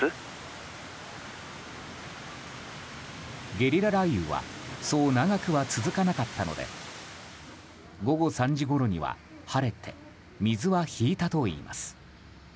ゲリラ雷雨はそう長くは続かなかったので午後３時ごろには晴れて水は引いたといいます。